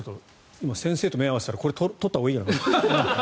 今、先生と目を合わせたらこれ取ったほうがいいよなって。